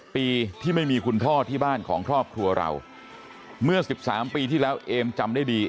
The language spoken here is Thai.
ปีที่ไม่มีคุณพ่อที่บ้านของครอบครัวเราเมื่อ๑๓ปีที่แล้วเอมจำได้ดี